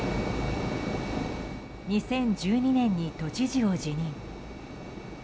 ２０１２年に都知事を辞任。